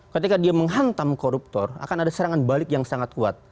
ketika dia menghantam koruptor akan ada serangan balik yang sangat kuat